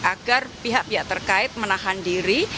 agar pihak pihak terkait menahan diri